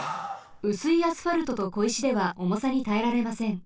うすいアスファルトとこいしではおもさにたえられません。